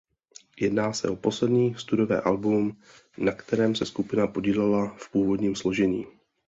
Jedná se o poslední studiové album na kterém se skupina podílela v původním složení.